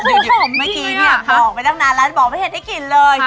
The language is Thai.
เมื่อกี้เนี่ยพอออกไปตั้งนานแล้วบอกไม่เห็นได้กลิ่นเลย